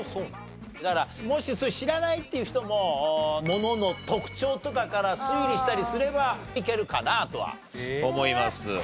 だからもし知らないという人も物の特徴とかから推理したりすればいけるかなとは思います。